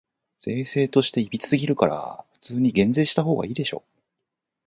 税制として歪すぎるから、普通に減税したほうがいいでしょ。